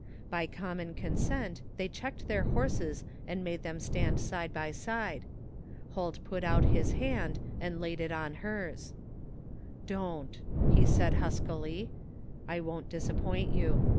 By common consent they checked their horses and made them stand side by side. Holt put out his hand and laid it on hers. " Don't !" he said huskily. " I won't disappoint you.